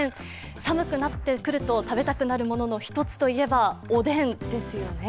寒くなってくると食べたくなるものの一つが、おでんですよね。